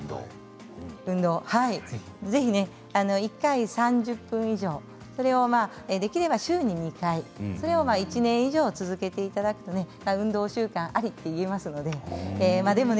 ぜひ１回３０分以上、それをできれば週に２回１年以上続けていただく運動習慣ありといえますからね。